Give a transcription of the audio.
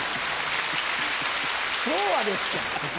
昭和ですか！